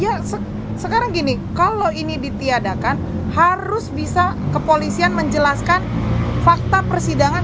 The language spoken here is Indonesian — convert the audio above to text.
ya sekarang gini kalau ini ditiadakan harus bisa kepolisian menjelaskan fakta persidangan